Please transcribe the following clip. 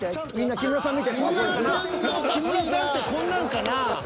［木村さんってこんなんかな］